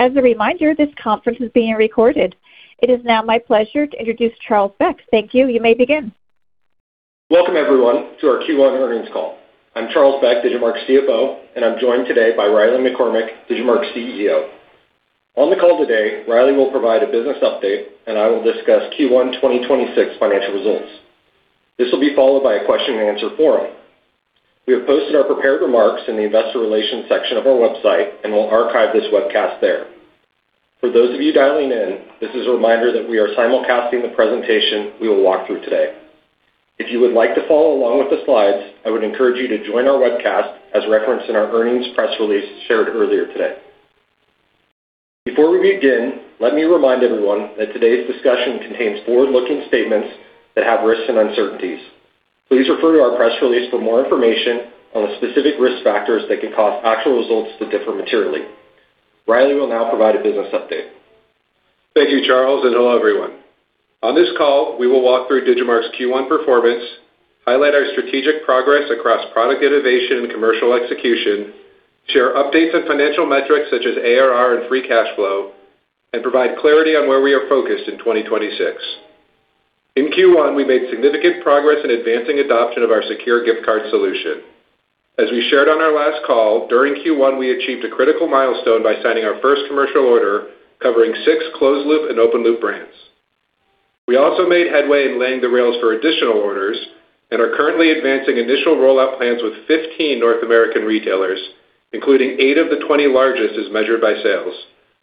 As a reminder, this conference is being recorded. It is now my pleasure to introduce Charles Beck. Thank you. You may begin. Welcome, everyone, to our Q1 earnings call. I'm Charles Beck, Digimarc's CFO, and I'm joined today by Riley McCormack, Digimarc's CEO. On the call today, Riley will provide a business update, and I will discuss Q1 2026 financial results. This will be followed by a question and answer forum. We have posted our prepared remarks in the investor relations section of our website, and we'll archive this webcast there. For those of you dialing in, this is a reminder that we are simulcasting the presentation we will walk through today. If you would like to follow along with the slides, I would encourage you to join our webcast as referenced in our earnings press release shared earlier today. Before we begin, let me remind everyone that today's discussion contains forward-looking statements that have risks and uncertainties. Please refer to our press release for more information on the specific risk factors that can cause actual results to differ materially. Riley will now provide a business update. Thank you, Charles, and hello, everyone. On this call, we will walk through Digimarc's Q1 performance, highlight our strategic progress across product innovation and commercial execution, share updates on financial metrics such as ARR and free cash flow, and provide clarity on where we are focused in 2026. In Q1, we made significant progress in advancing adoption of our secure gift card solution. As we shared on our last call, during Q1, we achieved a critical milestone by signing our first commercial order covering six closed-loop and open-loop brands. We also made headway in laying the rails for additional orders and are currently advancing initial rollout plans with 15 North American retailers, including 8 of the 20 largest as measured by sales,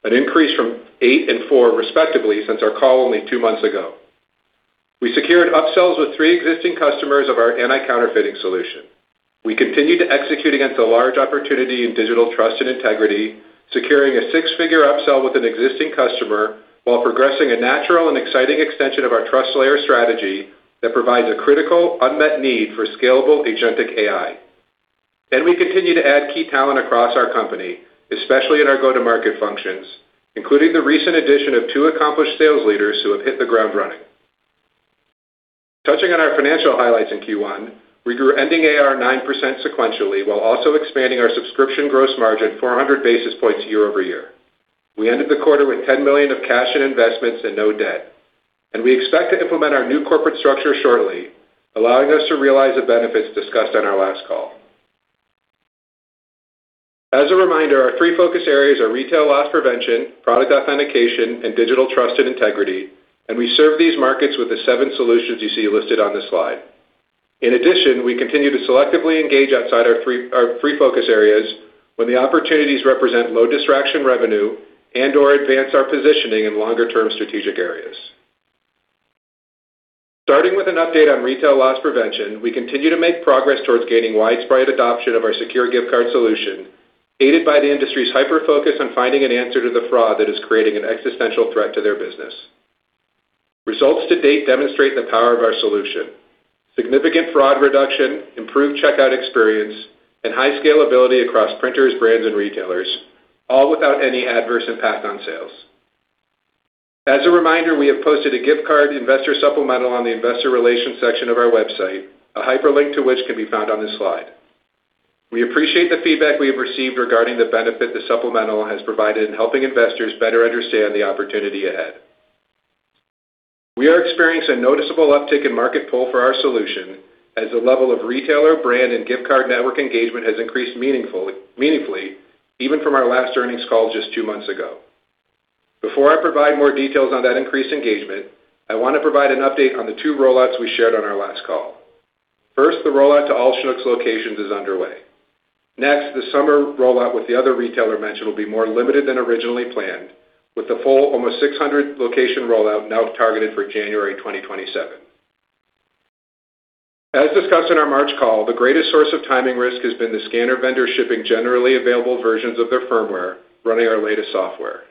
an increase from 8 and 4 respectively since our call only two months ago. We secured upsells with three existing customers of our anti-counterfeiting solution. We continue to execute against a large opportunity in digital trust and integrity, securing a six-figure upsell with an existing customer while progressing a natural and exciting extension of our trust layer strategy that provides a critical unmet need for scalable agentic AI. We continue to add key talent across our company, especially in our go-to-market functions, including the recent addition of two accomplished sales leaders who have hit the ground running. Touching on our financial highlights in Q1, we grew ending ARR 9% sequentially while also expanding our subscription gross margin 400 basis points year-over-year. We ended the quarter with $10 million of cash and investments and no debt. We expect to implement our new corporate structure shortly, allowing us to realize the benefits discussed on our last call. As a reminder, our three focus areas are retail loss prevention, product authentication, and digital trust and integrity, and we serve these markets with the seven solutions you see listed on this slide. In addition, we continue to selectively engage outside our three focus areas when the opportunities represent low distraction revenue and/or advance our positioning in longer-term strategic areas. Starting with an update on retail loss prevention, we continue to make progress towards gaining widespread adoption of our secure gift card solution, aided by the industry's hyper-focus on finding an answer to the fraud that is creating an existential threat to their business. Results to date demonstrate the power of our solution. Significant fraud reduction, improved checkout experience, and high scalability across printers, brands, and retailers, all without any adverse impact on sales. As a reminder, we have posted a gift card investor supplemental on the investor relations section of our website, a hyperlink to which can be found on this slide. We appreciate the feedback we have received regarding the benefit the supplemental has provided in helping investors better understand the opportunity ahead. We are experiencing a noticeable uptick in market pull for our solution as the level of retailer, brand, and gift card network engagement has increased meaningfully, even from our last earnings call just two months ago. Before I provide more details on that increased engagement, I want to provide an update on the two rollouts we shared on our last call. First, the rollout to all Schnucks locations is underway. Next, the summer rollout with the other retailer mentioned will be more limited than originally planned, with the full almost 600 location rollout now targeted for January 2027. As discussed in our March call, the greatest source of timing risk has been the scanner vendor shipping generally available versions of their firmware running our latest software.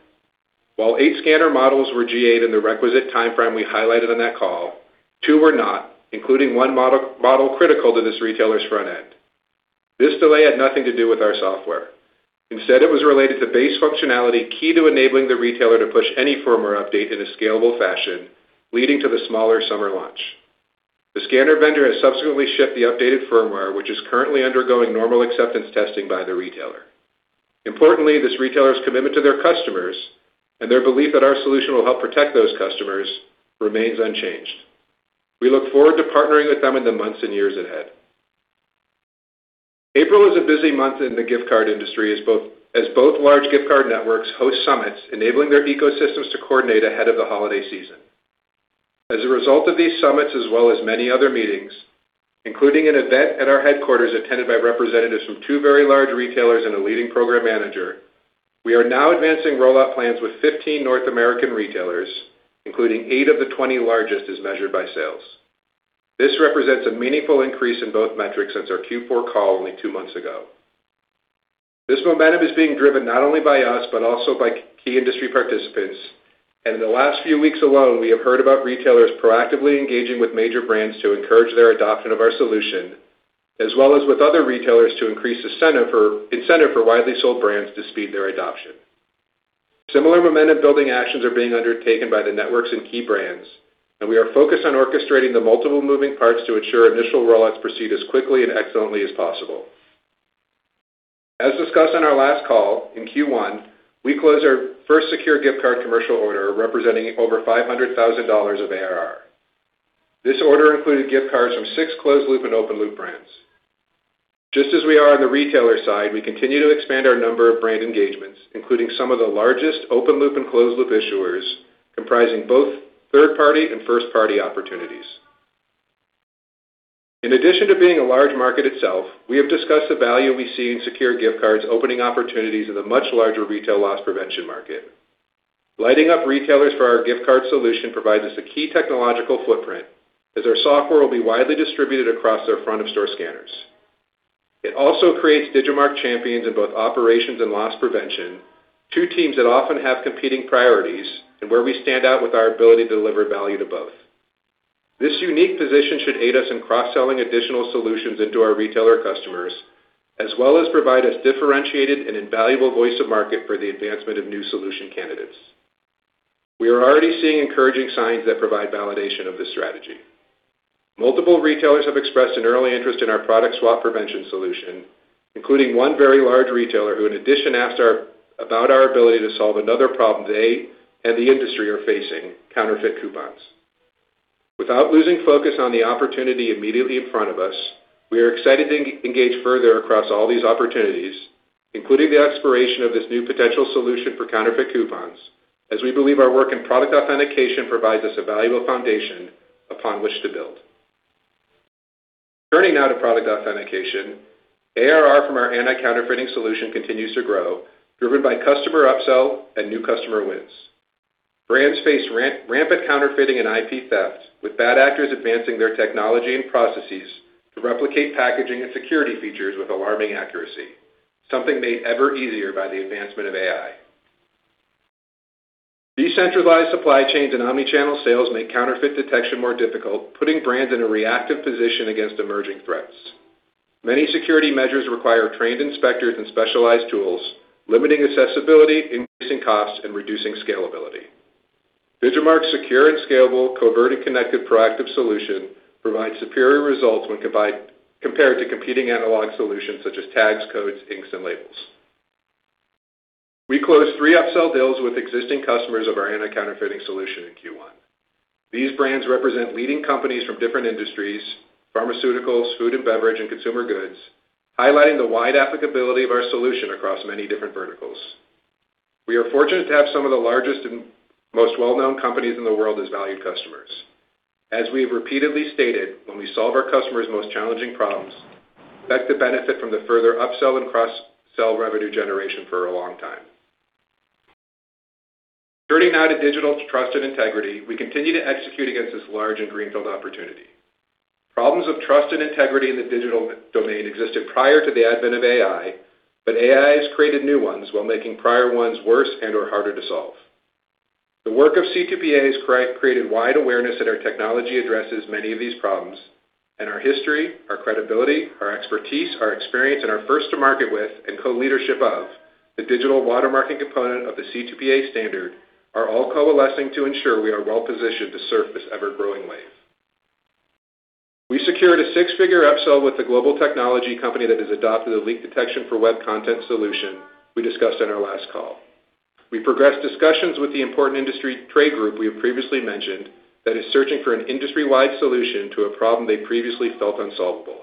While 8 scanner models were GA'd in the requisite timeframe we highlighted on that call, two were not, including one model critical to this retailer's front end. This delay had nothing to do with our software. Instead, it was related to base functionality key to enabling the retailer to push any firmware update in a scalable fashion, leading to the smaller summer launch. The scanner vendor has subsequently shipped the updated firmware, which is currently undergoing normal acceptance testing by the retailer. Importantly, this retailer's commitment to their customers and their belief that our solution will help protect those customers remains unchanged. We look forward to partnering with them in the months and years ahead. April is a busy month in the gift card industry as both large gift card networks host summits enabling their ecosystems to coordinate ahead of the holiday season. As a result of these summits, as well as many other meetings, including an event at our headquarters attended by representatives from two very large retailers and a leading program manager, we are now advancing rollout plans with 15 North American retailers, including 8 of the 20 largest as measured by sales. This represents a meaningful increase in both metrics since our Q4 call only two months ago. This momentum is being driven not only by us, but also by key industry participants. In the last few weeks alone, we have heard about retailers proactively engaging with major brands to encourage their adoption of our solution, as well as with other retailers to increase incentive for widely sold brands to speed their adoption. Similar momentum-building actions are being undertaken by the networks and key brands. We are focused on orchestrating the multiple moving parts to ensure initial rollouts proceed as quickly and excellently as possible. As discussed on our last call, in Q1, we closed our first secure gift card commercial order representing over $500,000 of ARR. This order included gift cards from six closed loop and open-loop brands. Just as we are on the retailer side, we continue to expand our number of brand engagements, including some of the largest open-loop and closed-loop issuers comprising both third-party and first-party opportunities. In addition to being a large market itself, we have discussed the value we see in secure gift cards opening opportunities in the much larger retail loss prevention market. Lighting up retailers for our gift card solution provides us a key technological footprint as our software will be widely distributed across their front-of-store scanners. It also creates Digimarc champions in both operations and loss prevention, two teams that often have competing priorities and where we stand out with our ability to deliver value to both. This unique position should aid us in cross-selling additional solutions into our retailer customers, as well as provide us differentiated and invaluable voice of market for the advancement of new solution candidates. We are already seeing encouraging signs that provide validation of this strategy. Multiple retailers have expressed an early interest in our product swap prevention solution, including one very large retailer who in addition asked about our ability to solve another problem they and the industry are facing, counterfeit coupons. Without losing focus on the opportunity immediately in front of us, we are excited to engage further across all these opportunities, including the exploration of this new potential solution for counterfeit coupons, as we believe our work in product authentication provides us a valuable foundation upon which to build. Turning now to product authentication, ARR from our anti-counterfeiting solution continues to grow, driven by customer upsell and new customer wins. Brands face rampant counterfeiting and IP theft, with bad actors advancing their technology and processes to replicate packaging and security features with alarming accuracy, something made ever easier by the advancement of AI. Decentralized supply chains and omni-channel sales make counterfeit detection more difficult, putting brands in a reactive position against emerging threats. Many security measures require trained inspectors and specialized tools, limiting accessibility, increasing costs, and reducing scalability. Digimarc's secure and scalable covert and connected proactive solution provides superior results compared to competing analog solutions such as tags, codes, inks, and labels. We closed three upsell deals with existing customers of our anti-counterfeiting solution in Q1. These brands represent leading companies from different industries, pharmaceuticals, food and beverage, and consumer goods, highlighting the wide applicability of our solution across many different verticals. We are fortunate to have some of the largest and most well-known companies in the world as valued customers. As we have repeatedly stated, when we solve our customers' most challenging problems, expect to benefit from the further upsell and cross-sell revenue generation for a long time. Turning now to digital trust and integrity, we continue to execute against this large and greenfield opportunity. Problems of trust and integrity in the digital domain existed prior to the advent of AI, but AI has created new ones while making prior ones worse and/or harder to solve. The work of C2PA has created wide awareness that our technology addresses many of these problems, and our history, our credibility, our expertise, our experience, and our first to market with and co-leadership of the digital watermarking component of the C2PA standard are all coalescing to ensure we are well-positioned to surf this ever-growing wave. We secured a 6-figure upsell with a global technology company that has adopted a leak detection for web content solution we discussed on our last call. We progressed discussions with the important industry trade group we have previously mentioned that is searching for an industry-wide solution to a problem they previously felt unsolvable.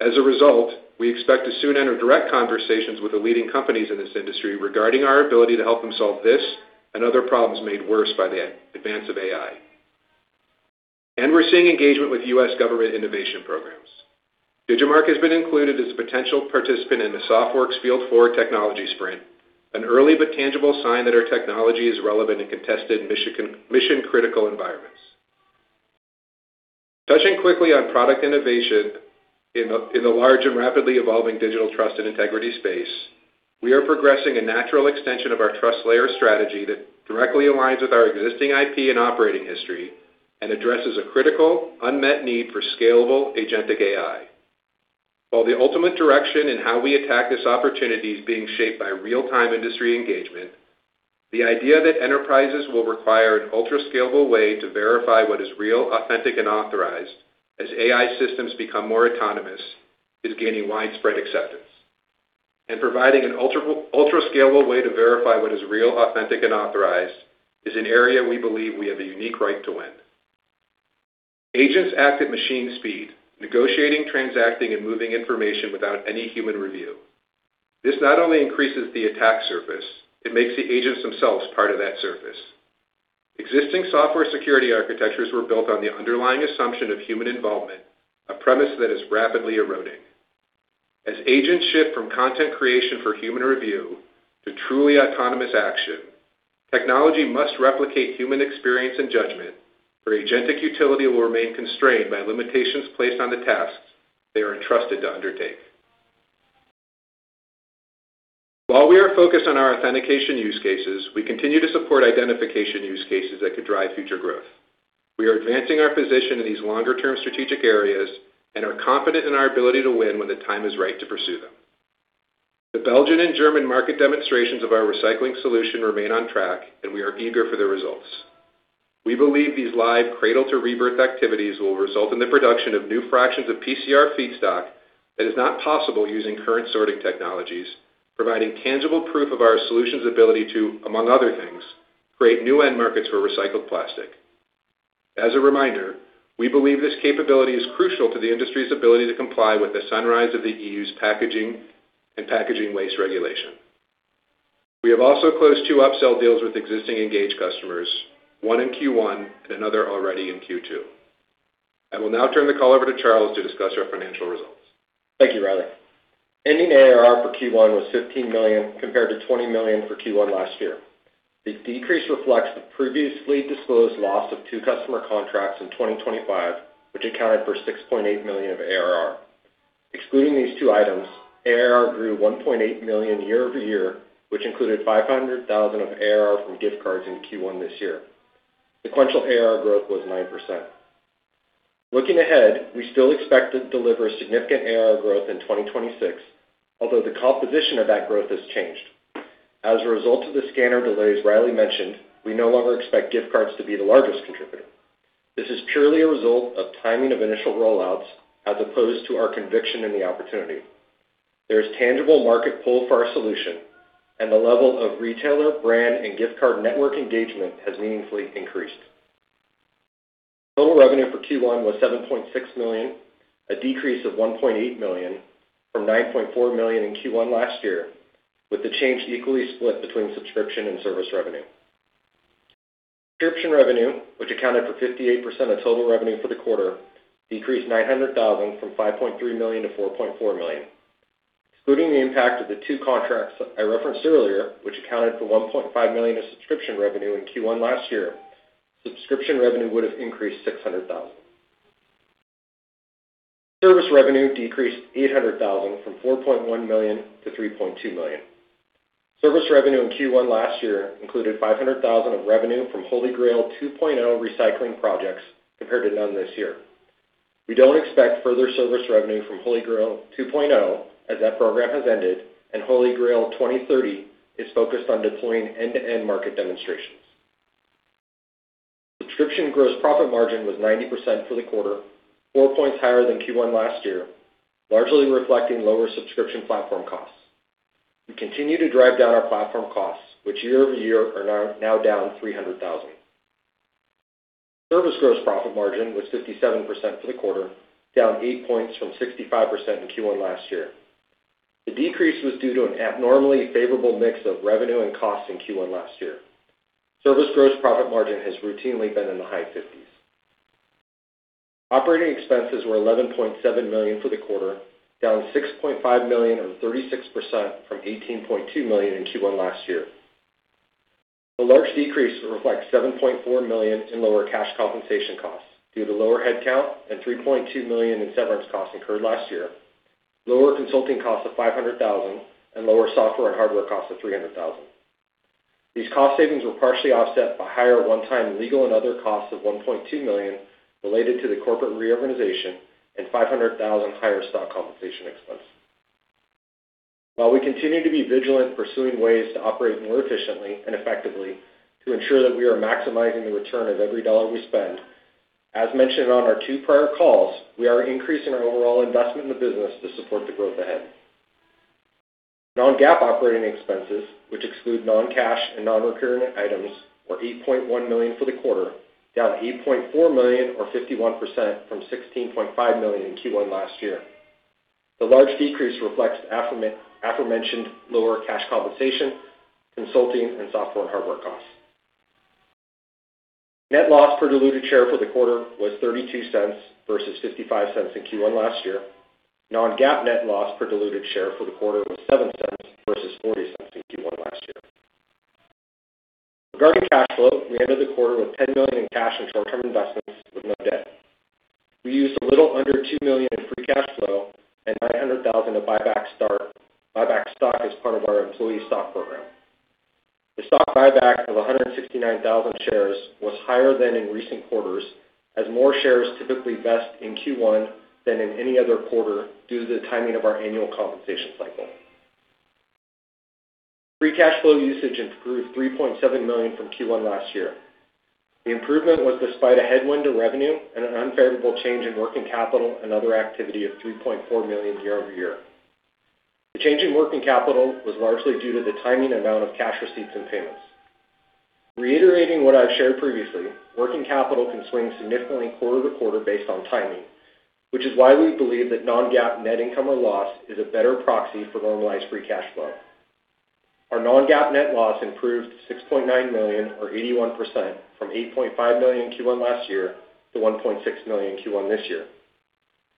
As a result, we expect to soon enter direct conversations with the leading companies in this industry regarding our ability to help them solve this and other problems made worse by the advance of AI. We're seeing engagement with U.S. government innovation programs. Digimarc has been included as a potential participant in the SOFWERX Tech Sprint technology sprint, an early but tangible sign that our technology is relevant in contested mission-critical environments. Touching quickly on product innovation in the large and rapidly evolving digital trust and integrity space, we are progressing a natural extension of our trust layer strategy that directly aligns with our existing IP and operating history and addresses a critical unmet need for scalable agentic AI. While the ultimate direction in how we attack this opportunity is being shaped by real-time industry engagement, the idea that enterprises will require an ultra-scalable way to verify what is real, authentic, and authorized as AI systems become more autonomous is gaining widespread acceptance. Providing an ultra-scalable way to verify what is real, authentic, and authorized is an area we we have a unique right to win. agents act at machine speed, negotiating, transacting, and moving information without any human review. This not only increases the attack surface, it makes the agents themselves part of that surface. Existing software security architectures were built on the underlying assumption of human involvement, a premise that is rapidly eroding. As agents shift from content creation for human review to truly autonomous action, technology must replicate human experience and judgment, or agentic utility will remain constrained by limitations placed on the tasks they are entrusted to undertake. While we are focused on our authentication use cases, we continue to support identification use cases that could drive future growth. We are advancing our position in these longer-term strategic areas and are confident in our ability to win when the time is right to pursue them. The Belgian and German market demonstrations of our recycling solution remain on track. We are eager for the results. We believe these live cradle to rebirth activities will result in the production of new fractions of PCR feedstock that is not possible using current sorting technologies, providing tangible proof of our solution's ability to, among other things, create new end markets for recycled plastic. As a reminder, we believe this capability is crucial to the industry's ability to comply with the sunrise of the EU's Packaging and Packaging Waste Regulation. We have also closed two upsell deals with existing engaged customers, 1 in Q1 and another already in Q2. I will now turn the call over to Charles to discuss our financial results. Thank you, Riley McCormack. Ending ARR for Q1 was $15 million compared to $20 million for Q1 last year. This decrease reflects the previously disclosed loss of two customer contracts in 2025, which accounted for $6.8 million of ARR. Excluding these two items, ARR grew $1.8 million year-over-year, which included $500,000 of ARR from gift cards in Q1 this year. Sequential ARR growth was 9%. Looking ahead, we still expect to deliver significant ARR growth in 2026, although the composition of that growth has changed. As a result of the scanner delays Riley McCormack mentioned, we no longer expect gift cards to be the largest contributor. This is purely a result of timing of initial rollouts as opposed to our conviction in the opportunity. There is tangible market pull for our solution and the level of retailer, brand, and gift card network engagement has meaningfully increased. Total revenue for Q1 was $7.6 million, a decrease of $1.8 million from $9.4 million in Q1 last year, with the change equally split between subscription and service revenue. Subscription revenue, which accounted for 58% of total revenue for the quarter, decreased $900,000 from $5.3 million to $4.4 million. Excluding the impact of the two contracts I referenced earlier, which accounted for $1.5 million of subscription revenue in Q1 last year, subscription revenue would have increased $600,000. Service revenue decreased $800,000 from $4.1 million to $3.2 million. Service revenue in Q1 last year included $500,000 of revenue from HolyGrail 2.0 recycling projects compared to none this year. We don't expect further service revenue from HolyGrail 2.0 as that program has ended and HolyGrail 2030 is focused on deploying end-to-end market demonstrations. Subscription gross profit margin was 90% for the quarter, 4 points higher than Q1 last year, largely reflecting lower subscription platform costs. We continue to drive down our platform costs, which year-over-year are now down $300,000. Service gross profit margin was 57% for the quarter, down 8 points from 65% in Q1 last year. The decrease was due to an abnormally favorable mix of revenue and cost in Q1 last year. Service gross profit margin has routinely been in the high fifties. Operating expenses were $11.7 million for the quarter, down $6.5 million or 36% from $18.2 million in Q1 last year. The large decrease reflects $7.4 million in lower cash compensation costs due to lower headcount and $3.2 million in severance costs incurred last year, lower consulting costs of $500,000 and lower software and hardware costs of $300,000. These cost savings were partially offset by higher one-time legal and other costs of $1.2 million related to the corporate reorganization and $500,000 higher stock compensation expense. While we continue to be vigilant in pursuing ways to operate more efficiently and effectively to ensure that we are maximizing the return of every dollar we spend, as mentioned on our two prior calls, we are increasing our overall investment in the business to support the growth ahead. Non-GAAP operating expenses, which exclude non-cash and non-recurring items, were $8.1 million for the quarter, down $8.4 million or 51% from $16.5 million in Q1 last year. The large decrease reflects the aforementioned lower cash compensation, consulting, and software and hardware costs. Net loss per diluted share for the quarter was $0.32 versus $0.55 in Q1 last year. Non-GAAP net loss per diluted share for the quarter was $0.07 versus $0.40 in Q1 last year. Regarding cash flow, we ended the quarter with $10 million in cash and short-term investments with no debt. We used a little under $2 million in free cash flow and $900,000 to buy back stock as part of our employee stock program. The stock buyback of 169,000 shares was higher than in recent quarters as more shares typically vest in Q1 than in any other quarter due to the timing of our annual compensation cycle. Free cash flow usage improved $3.7 million from Q1 last year. The improvement was despite a headwind to revenue and an unfavorable change in working capital and other activity of $3.4 million year-over-year. The change in working capital was largely due to the timing and amount of cash receipts and payments. Reiterating what I've shared previously, working capital can swing significantly quarter-to-quarter based on timing, which is why we believe that non-GAAP net income or loss is a better proxy for normalized free cash flow. Our non-GAAP net loss improved $6.9 million or 81% from $8.5 million in Q1 last year to $1.6 million in Q1 this year.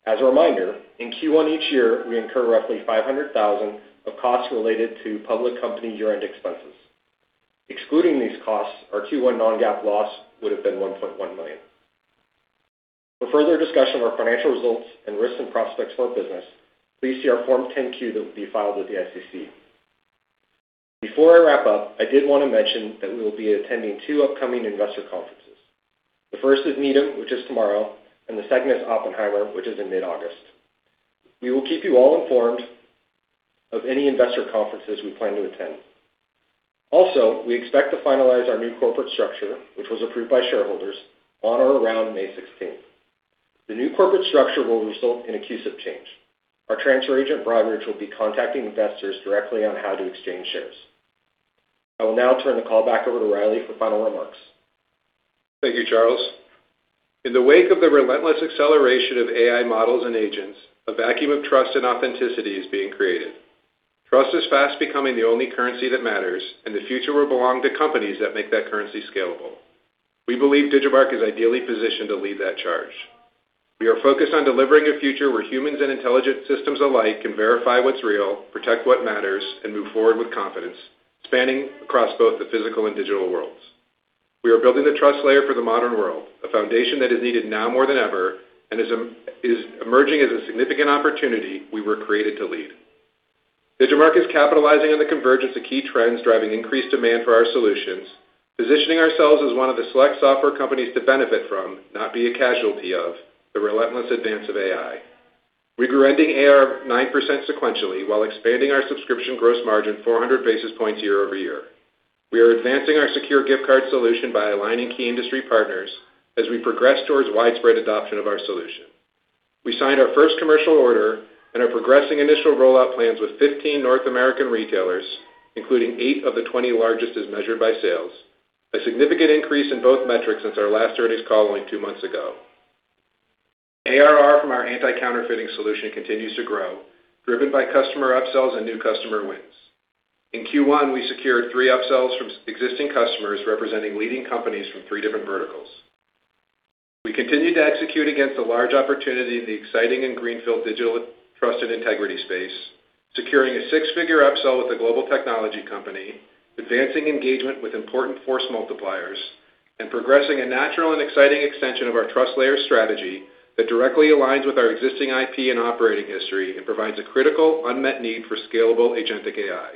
As a reminder, in Q1 each year, we incur roughly $500,000 of costs related to public company year-end expenses. Excluding these costs, our Q1 non-GAAP loss would have been $1.1 million. For further discussion of our financial results and risks and prospects for our business, please see our Form 10-Q that will be filed with the SEC. Before I wrap up, I did wanna mention that we will be attending two upcoming investor conferences. The first is Needham, which is tomorrow, and the second is Oppenheimer, which is in mid-August. We will keep you all informed of any investor conferences we plan to attend. Also, we expect to finalize our new corporate structure, which was approved by shareholders on or around May 16th. The new corporate structure will result in a CUSIP change. Our transfer agent, Broadridge, will be contacting investors directly on how to exchange shares. I will now turn the call back over to Riley for final remarks. Thank you, Charles. In the wake of the relentless acceleration of AI models and agents, a vacuum of trust and authenticity is being created. Trust is fast becoming the only currency that matters, and the future will belong to companies that make that currency scalable. We believe Digimarc is ideally positioned to lead that charge. We are focused on delivering a future where humans and intelligent systems alike can verify what's real, protect what matters, and move forward with confidence, spanning across both the physical and digital worlds. We are building the trust layer for the modern world, a foundation that is needed now more than ever and is emerging as a significant opportunity we were created to lead. Digimarc is capitalizing on the convergence of key trends, driving increased demand for our solutions, positioning ourselves as one of the select software companies to benefit from, not be a casualty of, the relentless advance of AI. We grew ending ARR 9% sequentially while expanding our subscription gross margin 400 basis points year-over-year. We are advancing our secure gift card solution by aligning key industry partners as we progress towards widespread adoption of our solution. We signed our first commercial order and are progressing initial rollout plans with 15 North American retailers, including 8 of the 20 largest as measured by sales, a significant increase in both metrics since our last earnings call only two months ago. ARR from our anti-counterfeiting solution continues to grow, driven by customer upsells and new customer wins. In Q1, we secured three upsells from existing customers, representing leading companies from three different verticals. We continued to execute against a large opportunity in the exciting and greenfield digital trust and integrity space, securing a 6-figure upsell with a global technology company, advancing engagement with important force multipliers, and progressing a natural and exciting extension of our trust layer strategy that directly aligns with our existing IP and operating history and provides a critical unmet need for scalable agentic AI.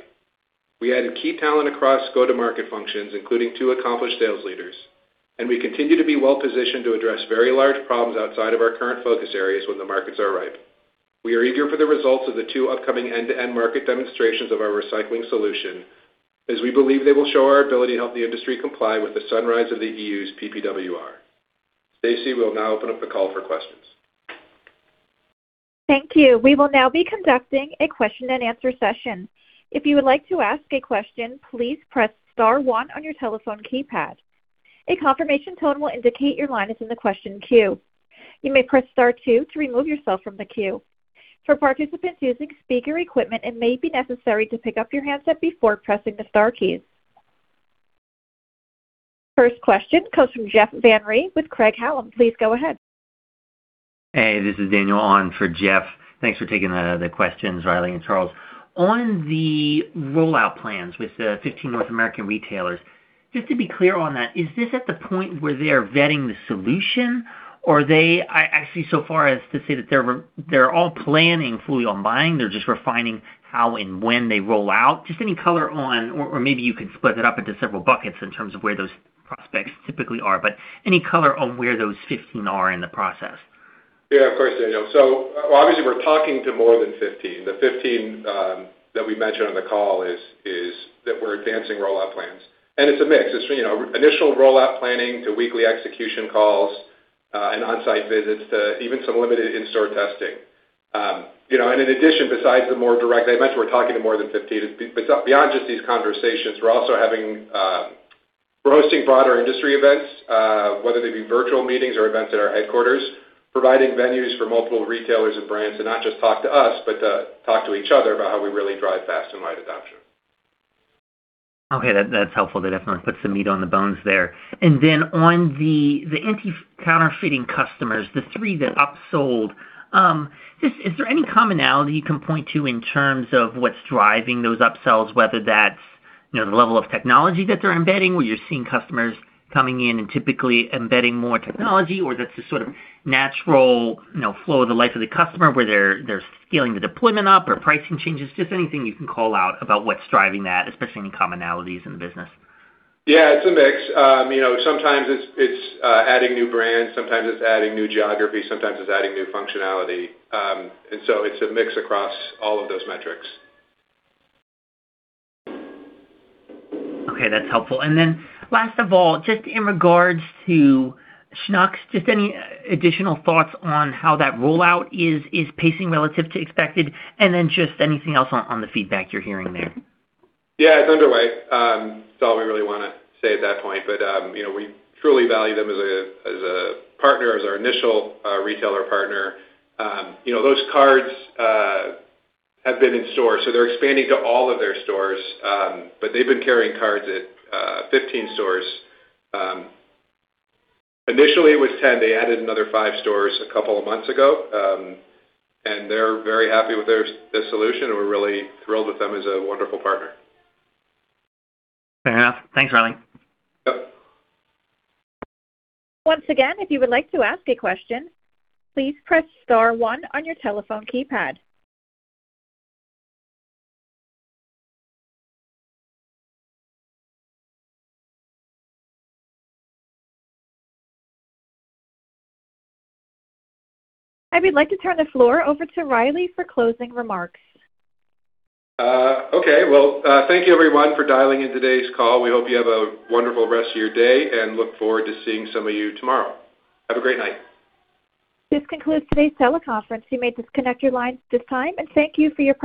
We added key talent across go-to-market functions, including two accomplished sales leaders. We continue to be well-positioned to address very large problems outside of our current focus areas when the markets are ripe. We are eager for the results of the two upcoming end-to-end market demonstrations of our recycling solution, as we believe they will show our ability to help the industry comply with the sunrise of the EU's PPWR. Stacy, we'll now open up the call for questions. Thank you. First question comes from Jeff Van Rhee with Craig-Hallum. Please go ahead. This is Daniel on for Jeff. Thanks for taking the questions, Riley and Charles. The rollout plans with the 15 North American retailers, just to be clear on that, is this at the point where they're vetting the solution, or are they actually so far as to say that they're all planning fully on buying, they're just refining how and when they roll out? Any color on or maybe you can split it up into several buckets in terms of where those prospects typically are, but any color on where those 15 are in the process? Yeah, of course, Daniel. Obviously, we're talking to more than 15. The 15 that we mentioned on the call is that we're advancing rollout plans. It's a mix. It's, you know, initial rollout planning to weekly execution calls and on-site visits to even some limited in-store testing. You know, in addition, besides the more direct, I mentioned we're talking to more than 15. Beyond just these conversations, we're also hosting broader industry events, whether they be virtual meetings or events at our headquarters, providing venues for multiple retailers and brands to not just talk to us, but to talk to each other about how we really drive fast and wide adoption. Okay, that's helpful. That definitely puts some meat on the bones there. Then on the anti-counterfeiting customers, the 3 that upsold, just is there any commonality you can point to in terms of what's driving those upsells, whether that's, you know, the level of technology that they're embedding, where you're seeing customers coming in and typically embedding more technology, or that's the sort of natural, you know, flow of the life of the customer, where they're scaling the deployment up or pricing changes? Just anything you can call out about what's driving that, especially any commonalities in the business. Yeah, it's a mix. You know, sometimes it's adding new brands, sometimes it's adding new geography, sometimes it's adding new functionality. So it's a mix across all of those metrics. Okay, that's helpful. Last of all, just in regards to Schnucks, just any additional thoughts on how that rollout is pacing relative to expected? And then just anything else on the feedback you're hearing there. Yeah, it's underway. That's all we really wanna say at that point. You know, we truly value them as a partner, as our initial retailer partner. You know, those cards have been in store, they're expanding to all of their stores. They've been carrying cards at 15 stores. Initially it was 10. They added another five stores a couple of months ago. They're very happy with the solution, and we're really thrilled with them as a wonderful partner. Fair enough. Thanks, Riley. Yep. I would like to turn the floor over to Riley for closing remarks. Okay. Thank you everyone for dialing in today's call. We hope you have a wonderful rest of your day, and look forward to seeing some of you tomorrow. Have a great night. This concludes today's teleconference. You may disconnect your lines at this time, and thank you for your participation.